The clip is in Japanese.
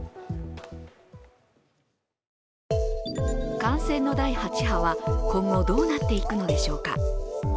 感染の第８波は今後どうなっていくのでしょうか。